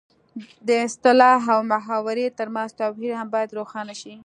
د اصطلاح او محاورې ترمنځ توپیر هم باید روښانه شي